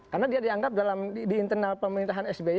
karena dia dianggap dalam di internal pemerintahan sby